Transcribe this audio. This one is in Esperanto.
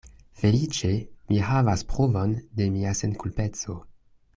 Feliĉe mi havas pruvon de mia senkulpeco.